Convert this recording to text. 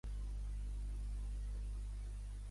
No obstant això, el rei no està sense virtuts redimir.